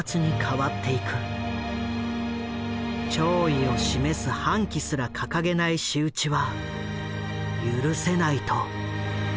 弔意を示す半旗すら掲げない仕打ちは許せないと。